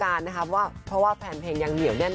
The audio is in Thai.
การเดินทางปลอดภัยทุกครั้งในฝั่งสิทธิ์ที่หนูนะคะ